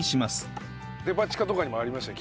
デパ地下とかにもありましたよ